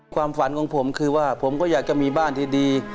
ความฝันของผมคือว่าผมก็อยากจะมีบ้านที่ดี